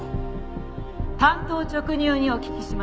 単刀直入にお聞きします。